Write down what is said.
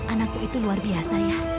anakku itu luar biasa ya